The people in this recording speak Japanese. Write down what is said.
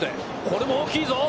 これも大きいぞ。